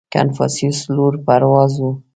• کنفوسیوس لوړ پروازه و.